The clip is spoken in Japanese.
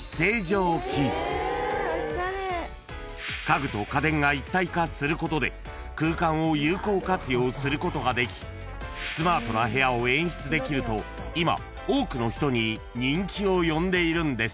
［家具と家電が一体化することで空間を有効活用することができスマートな部屋を演出できると今多くの人に人気を呼んでいるんです］